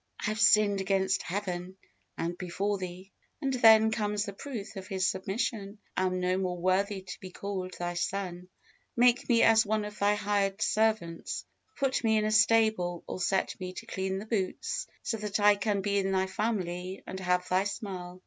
"I have sinned against Heaven, and before thee;" and then comes the proof of his submission, "and am no more worthy to be called thy son: make me as one of thy hired servants" put me in a stable, or set me to clean the boots, so that I can be in thy family and have thy smile.